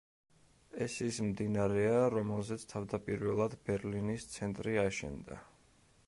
ეს ის მდინარეა, რომელზეც თავდაპირველად ბერლინის ცენტრი აშენდა.